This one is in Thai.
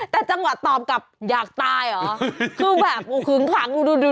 แต่จังหวะตอบกลับอยากตายเหรอคือแบบขึงขังดูดู